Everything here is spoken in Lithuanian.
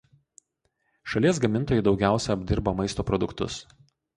Šalies gamintojai daugiausia apdirba maisto produktus.